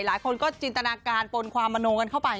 หลายคนก็จินตนาการปนความมโนกันเข้าไป